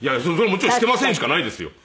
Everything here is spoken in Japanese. もちろん「していません」しかないですよ。